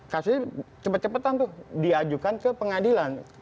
beri cepat cepatan diajukan ke pengadilan